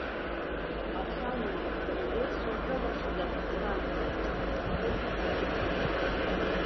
Akşam yemeklerinde sofra başında tıkınan kalabalık, oldukça renkliydi.